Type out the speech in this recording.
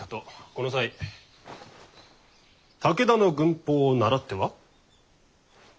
この際武田の軍法を倣っては？